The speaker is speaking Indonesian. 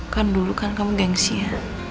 kan dulu kan kamu gengsi ya